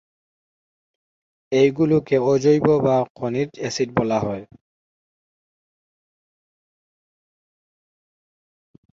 এগুলোকে অজৈব বা খনিজ অ্যাসিড বলে।